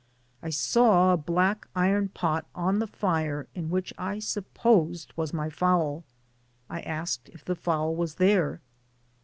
*I saw a black iron pot on the fire in which I supposed was my fowl— I asked if the fowl was there?